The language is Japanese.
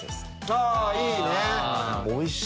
あいいね。